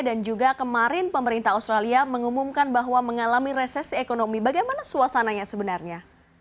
dan juga kemarin pemerintah australia mengumumkan bahwa mengalami resesi ekonomi bagaimana suasananya sebenarnya